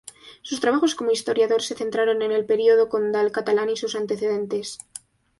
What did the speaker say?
Sus trabajos como historiador se centraron en el período condal catalán y sus antecedentes.